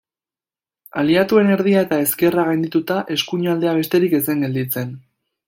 Aliatuen erdia eta ezkerra gaindituta, eskuinaldea besterik ez zen gelditzen.